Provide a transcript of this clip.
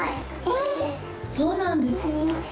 そうなんですね。